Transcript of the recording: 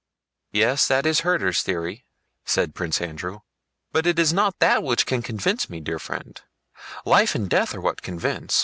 "Yes, that is Herder's theory," said Prince Andrew, "but it is not that which can convince me, dear friend—life and death are what convince.